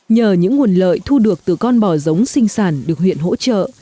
nhờ những nguồn lợi thu được từ con bò giống sinh sản được huyện hỗ trợ